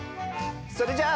それじゃあ。